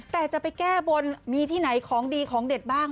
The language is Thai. แต่จะไปแก้บนมีที่ไหนของดีของเด็ดบ้าง